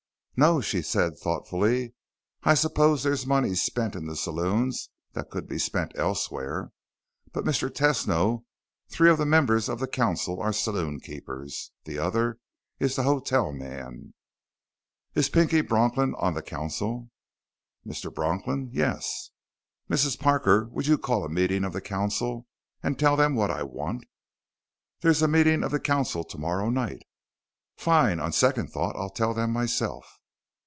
"No," she said thoughtfully. "I suppose there's money spent in the saloons that could be spent elsewhere. But, Mr. Tesno, three of the members of the council are saloonkeepers. The other is the hotel man." "Is Pinky Bronklin on the council?" "Mr. Bronklin? Yes." "Mrs. Parker, would you call a meeting of the council and tell them what I want?" "There's a meeting of the council tomorrow night." "Fine. On second thought, I'll tell them myself."